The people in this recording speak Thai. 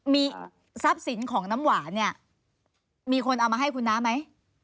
มีทรัพย์สินของน้ำหวานเนี่ยมีคนเอามาให้คุณน้าไหม